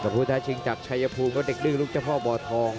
ผู้ท้าชิงจากชายภูมิก็เด็กดื้อลูกเจ้าพ่อบ่อทอง